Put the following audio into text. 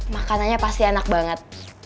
makanannya pasti enak banget